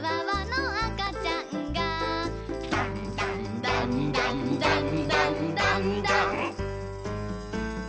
「だんだんだんだんだんだんだんだん」